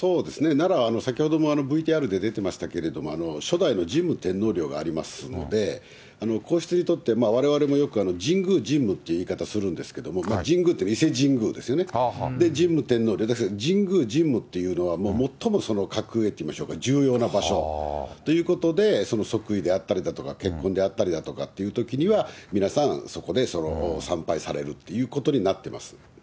奈良は先ほどもＶＴＲで出てましたけど、初代の神武天皇陵がありますので、皇室にとって、われわれもよく神宮神武って言い方するんですけど、神宮って伊勢神宮ですよね、神武天皇で、神宮神武っていうのは、もう最も格上といいましょうか、重要な場所ということで、即位であったりだとか、結婚であったりだとかっていうときには、皆さん、そこで参拝されるということになっています。